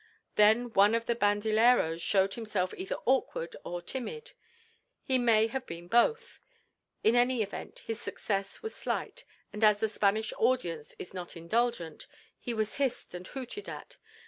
Then one of the banderilleros showed himself either awkward or timid; he may have been both; in any event his success was slight, and as the Spanish audience is not indulgent, he was hissed and hooted at.